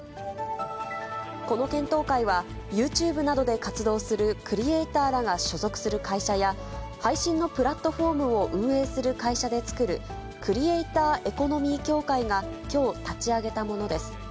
この検討会は、ユーチューブなどで活動するクリエイターらが所属する会社や、配信のプラットフォームを運営する会社で作る、クリエイターエコノミー協会がきょう立ち上げたものです。